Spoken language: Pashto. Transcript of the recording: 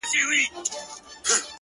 مرم د بې وخته تقاضاوو’ په حجم کي د ژوند’